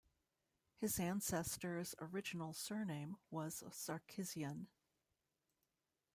His ancestors' original surname was "Sarkisian".